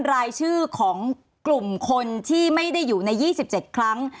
รายชื่อของกลุ่มคนที่ไม่ได้อยู่ใน๒๗ครั้ง